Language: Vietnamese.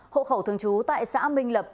hộ khẩu thường trú tại xã minh lập